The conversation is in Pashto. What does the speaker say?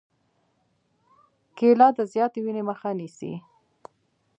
کېله د زیاتې وینې مخه نیسي.